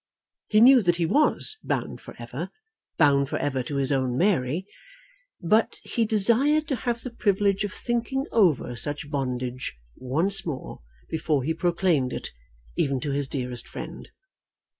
He knew that he was bound for ever, bound for ever to his own Mary; but he desired to have the privilege of thinking over such bondage once more before he proclaimed it even to his dearest friend.